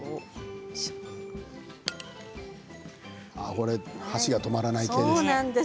これは箸が止まらない系ですね。